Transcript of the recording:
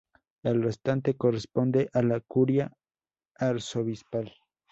El restante corresponde a la curia arzobispal.